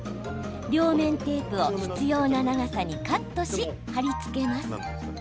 両面テープを必要な長さにカットし貼りつけます。